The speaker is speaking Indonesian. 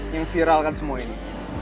yang viralkan semua ini